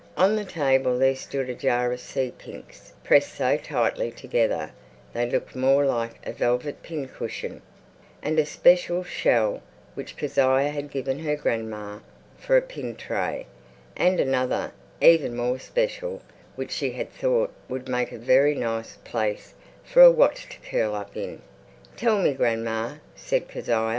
On the table there stood a jar of sea pinks, pressed so tightly together they looked more like a velvet pincushion, and a special shell which Kezia had given her grandma for a pin tray, and another even more special which she had thought would make a very nice place for a watch to curl up in. "Tell me, grandma," said Kezia.